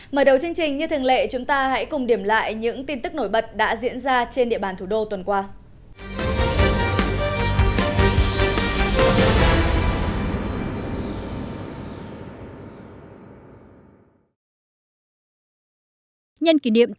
mở đầu chương trình như thường lệ chúng ta hãy cùng điểm lại những tin tức nổi bật đã diễn ra trên địa bàn thủ đô tuần qua